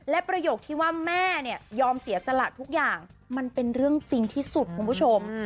และประโยคที่ว่าแม่เนี่ยยอมเสียสละทุกอย่างมันเป็นเรื่องจริงที่สุดคุณผู้ชม